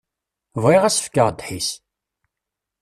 Bɣiɣ ad s-fkeɣ ddḥis.